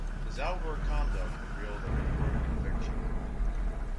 His outward conduct revealed an inward conviction.